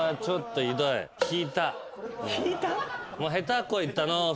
引いた？